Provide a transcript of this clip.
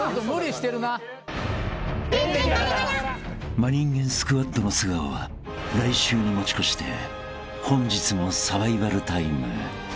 ［真人間スクワッドの素顔は来週に持ち越して本日もサバイバルタイム］